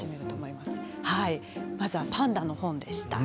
まずはパンダの本でした。